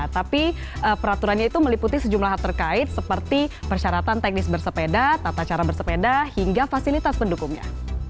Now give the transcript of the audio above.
tapi peraturannya itu meliputi sejumlah hal terkait seperti persyaratan teknis bersepeda tata cara bersepeda hingga fasilitas pendukungnya